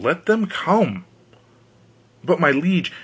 Let them come." "But my liege!